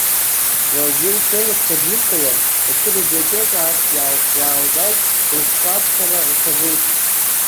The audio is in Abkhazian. Ларгьы лҽеилыхны днышьҭалан, иацы абиблиотека ахьтә иаалгаз лышәҟәы аԥхьара лҽазылкит.